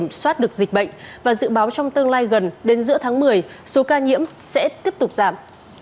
việt nam đã kiểm soát được dịch bệnh và dự báo trong tương lai gần đến giữa tháng một mươi số ca nhiễm sẽ tiếp tục giảm